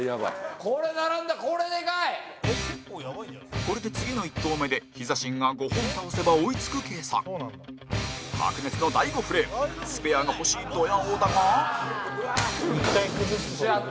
これで、次の１投目でヒザ神が５本倒せば追いつく計算白熱の第５フレームスペアが欲しいドヤ王だが村上：やった！